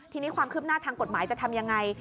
ทีนี้ความคืบหน้าทางกฎหมายจะทำยังไง